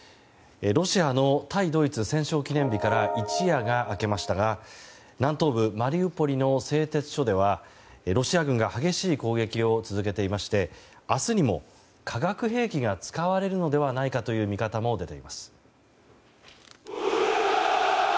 ロシアの対ドイツ戦勝記念日から一夜が明けましたが南東部マリウポリの製鉄所ではロシア軍が激しい攻撃を続けていまして明日にも化学兵器が使われるのではないかという見方も出ています。